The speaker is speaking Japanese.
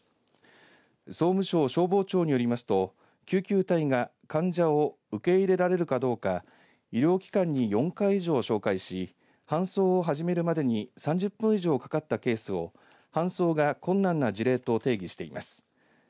総務省消防庁によりますと救急隊が患者を受け入れられるかどうか医療機関に４回以上照会し搬送を始めるまでに３０分以上かかったケースを搬送が困難な事例と定義しています。